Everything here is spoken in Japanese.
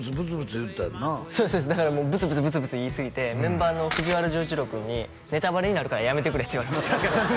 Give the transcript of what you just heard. そうですそうですだからもうブツブツブツブツ言いすぎてメンバーの藤原丈一郎君に「ネタバレになるからやめてくれ」って言われました